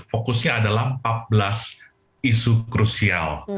fokusnya adalah empat belas isu krusial